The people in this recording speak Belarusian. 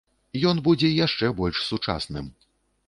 Ён будзе яшчэ больш сучасным.